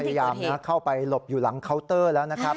เราพยายามนะครับเข้าไปหลบอยู่หลังเคาน์เตอร์แล้วนะครับ